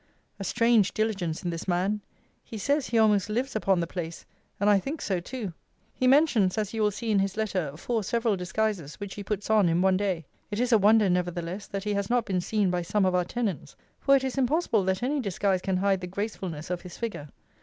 A strange diligence in this man! He says, he almost lives upon the place; and I think so too. He mentions, as you will see in his letter, four several disguises, which he puts on in one day. It is a wonder, nevertheless, that he has not been seen by some of our tenants: for it is impossible that any disguise can hide the gracefulness of his figure.